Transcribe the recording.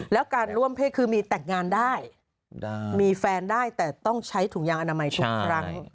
แล้วการร่วมเพศคือมีแต่งงานได้มีแฟนได้แต่ต้องใช้ถุงยางอนามัยทุกครั้ง